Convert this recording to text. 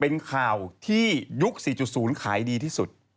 เป็นข่าวที่ยุค๔๐ขายดีที่สุด